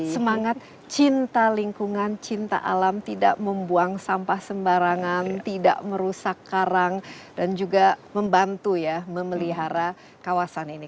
semangat cinta lingkungan cinta alam tidak membuang sampah sembarangan tidak merusak karang dan juga membantu ya memelihara kawasan ini